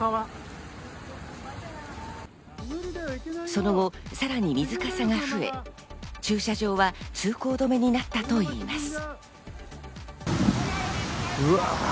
その後、さらに水かさが増え、駐車場は通行止めになったといいます。